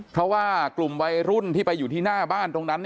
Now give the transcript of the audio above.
เพราะว่ากลุ่มวัยรุ่นที่ไปอยู่ที่หน้าบ้านตรงนั้น